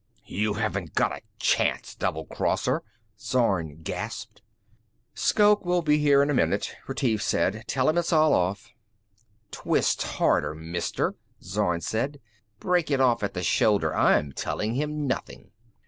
"You haven't got a chance, doublecrosser," Zorn gasped. "Shoke will be here in a minute," Retief said. "Tell him it's all off." "Twist harder, Mister," Zorn said. "Break it off at the shoulder. I'm telling him nothing!"